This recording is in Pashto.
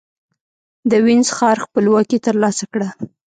د وينز ښار خپلواکي ترلاسه کړه.